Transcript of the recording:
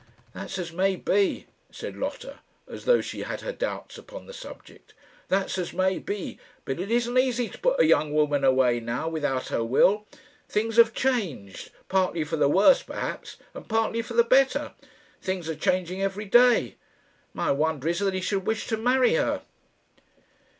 "That's as may be," said Lotta as though she had her doubts upon the subject. "That's as may be. But it isn't easy to put a young woman away now without her will. Things have changed partly for the worse, perhaps, and partly for the better. Things are changing every day. My wonder is that he should wish to many her."